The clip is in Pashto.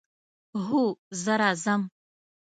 هو، زه راځم